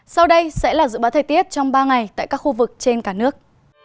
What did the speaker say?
sau đây sẽ là dự báo thời tiết trong ba ngày tại các khu vực trên cả nước